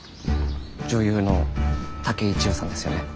女優の竹井千代さんですよね？